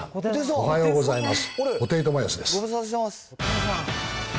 おはようございます。